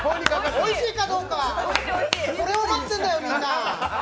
おいしいかどうか言えよ、それを待ってんだよ、みんな。